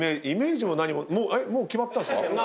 イメージも何ももう決まった？